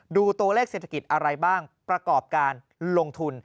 ตัวเลขเศรษฐกิจอะไรบ้างประกอบการลงทุน